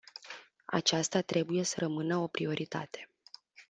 Aceasta trebuie să rămână o prioritate.